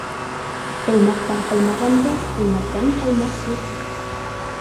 Тыумаҡтан ҡалмағанды, үлмәктән ҡалмаҡ юҡ.